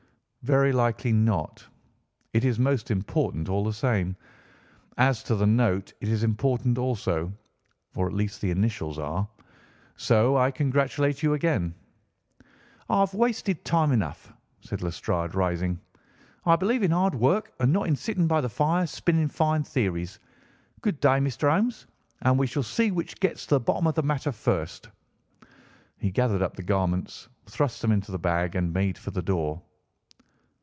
"Very likely not. It is most important, all the same. As to the note, it is important also, or at least the initials are, so I congratulate you again." "I've wasted time enough," said Lestrade, rising. "I believe in hard work and not in sitting by the fire spinning fine theories. Good day, Mr. Holmes, and we shall see which gets to the bottom of the matter first." He gathered up the garments, thrust them into the bag, and made for the door.